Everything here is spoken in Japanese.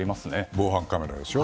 防犯カメラでしょ